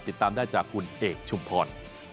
ติดตามได้จากคุณเอกชุมพร